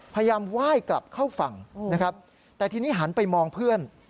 พยายามไหว้กลับเข้าฝั่งนะครับแต่ทีนี้หันไปมองเพื่อน